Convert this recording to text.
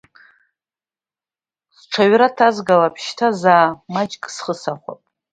Сҽаҩра ҭазгалап, шьҭа заа, маҷк схы сахәап.